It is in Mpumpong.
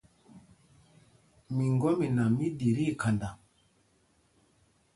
Miŋgɔ́mina mí ɗi tí ikhanda.